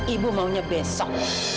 ibu maunya besok